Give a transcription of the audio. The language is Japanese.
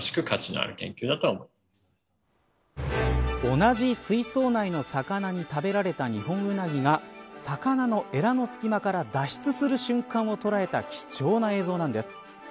同じ水槽内の魚に食べられたニホンウナギが魚のえらの隙間から脱出する瞬間を捉えた貴重な映像なんです。